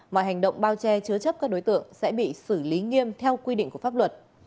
mọi hành động bao che chứa chấp các đối tượng sẽ bị xử lý nghiêm theo quy định của pháp luật